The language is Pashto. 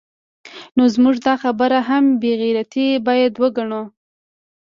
نو زموږ دا خبره هم بې غیرتي باید وګڼو